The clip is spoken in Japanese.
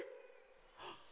はっ